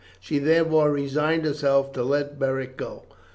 She therefore resigned herself to let Beric go.